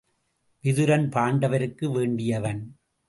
விதுரன் பாண்டவருக்கு வேண்டியவன்.